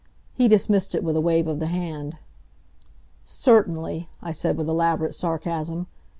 He dismissed it with a wave of the hand. "Certainly," I said, with elaborate sarcasm.